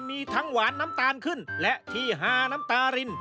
มีทั้งหวานน้ำตาลขึ้นและที่ฮาน้ำตาริน